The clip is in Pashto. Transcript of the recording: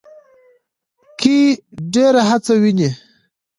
کې ډېره هڅه وينو